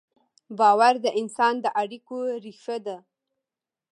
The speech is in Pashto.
باور د انسان د اړیکو ریښه ده.